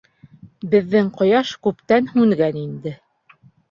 — Беҙҙең ҡояш күптән һүнгән инде.